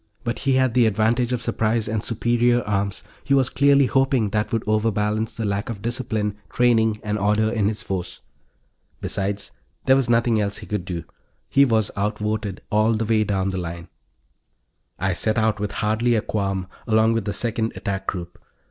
But he had the advantage of surprise and superior arms; he was clearly hoping that would overbalance the lack of discipline, training and order in his force. Besides, there was nothing else he could do; he was outvoted, all the way down the line. I set out, with hardly a qualm, along with the second attack group.